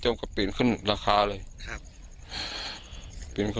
มากเวลานี่ครับ